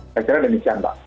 saya kira demikian mbak